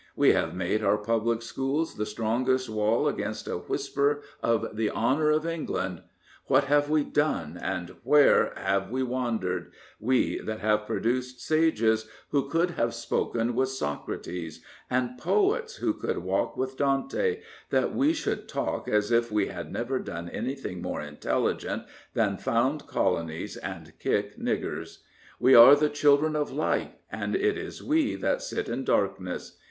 ... We have made our public schools the strongest wall against a whisper of the honour of 339 Prophets, Priests, and Kings England. ... What have we done and where have we wandered, we that have produced sages who could have spoken with Socrates, and poets who could walk with Dante, that we should talk as if we had never done anything more intelligent than found colonies and kick niggers ? We are the children of light, and it is we that sit in darkness.